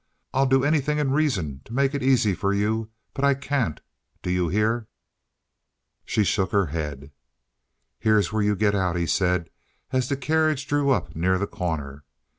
I'll do anything in reason to make it easy for you, but I can't, do you hear?" She shook her head. "Here's where you get out," he said, as the carriage drew up near the corner.